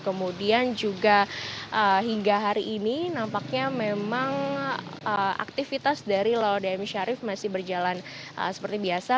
kemudian juga hingga hari ini nampaknya memang aktivitas dari laode m syarif masih berjalan seperti biasa